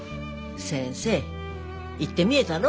先生言ってみえたろ？